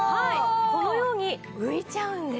このように浮いちゃうんです。